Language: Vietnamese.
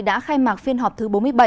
đã khai mạc phiên họp thứ bốn mươi bảy